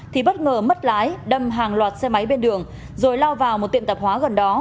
thì bất ngờ mất lái đâm hàng loạt xe máy bên đường rồi lao vào một tiệm tạp hóa gần đó